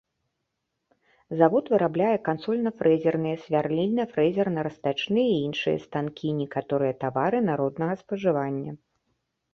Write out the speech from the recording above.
Завод вырабляе кансольна-фрэзерныя, свярлільна-фрэзерна-растачныя і іншыя станкі, некаторыя тавары народнага спажывання.